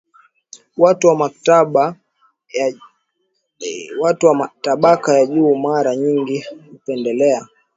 Watu wa matabaka ya juu mara nyingi hupendelea